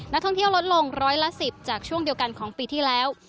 นักท่องเที่ยวลดลงร้อยละ๑๐จากช่วงเดียวกันของปีที่แล้ว